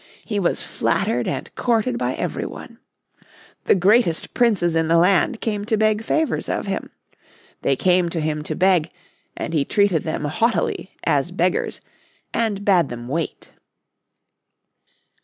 He was flattered and courted by every one. The greatest princes in the land came to beg favours of him. They came to him to beg, and he treated them haughtily as beggars, and bade them wait.